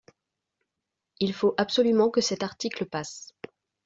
Il faut absolument que cet article passe.